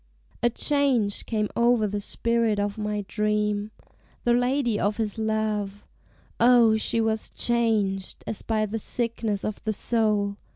A change came o'er the spirit of my dream. The lady of his love; O, she was changed, As by the sickness of the soul!